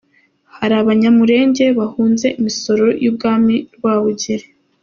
Hari Abanyamulenge bahunze imisoro y’Umwami Rwabugiri.